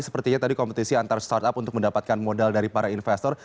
sepertinya tadi kompetisi antar startup untuk mendapatkan modal dari para investor